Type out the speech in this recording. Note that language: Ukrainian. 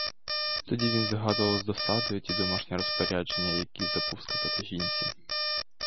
Тоді він згадував з досадою ті домашні розпорядження, які забув сказати жінці.